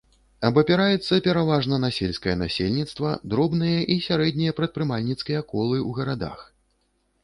Абапіраецца пераважна на сельскае насельніцтва, дробныя і сярэднія прадпрымальніцкія колы ў гарадах.